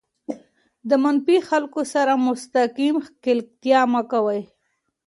د منفي خلکو سره مستقیم ښکېلتیا مه کوئ.